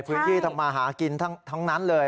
พื้นที่ทำมาหากินทั้งนั้นเลย